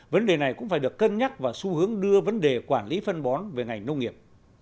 vấn đề này cũng phải được cân nhắc vào xu hướng đưa vấn đề quản lý phân bón về ngành nông nghiệp